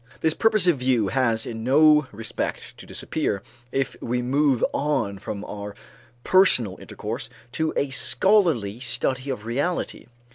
This purposive view has in no respect to disappear if we move on from our personal intercourse to a scholarly study of reality.